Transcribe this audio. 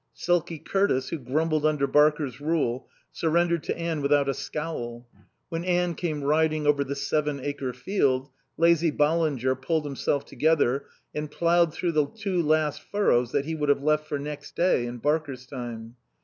Sulky Curtis, who grumbled under Barker's rule, surrendered to Anne without a scowl. When Anne came riding over the Seven Acre field, lazy Ballinger pulled himself together and ploughed through the two last furrows that he would have left for next day in Barker's time.